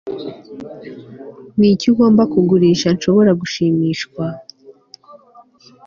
Niki ugomba kugurisha nshobora gushimishwa